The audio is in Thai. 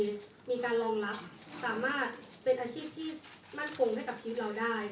มีการรองรับสามารถเป็นอาชีพที่มั่นคงให้กับชีวิตเราได้